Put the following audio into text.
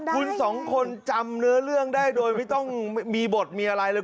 คุณสองคนจำเนื้อเรื่องได้โดยไม่ต้องมีบทมีอะไรเลย